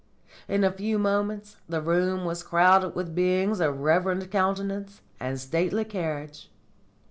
In a few moments the room was crowded with beings of reverend countenance and stately carriage.